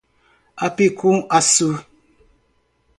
Apicum-Açu